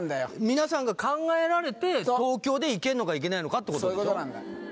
皆さんが考えられて東京でいけるのかいけないのかってことでしょ？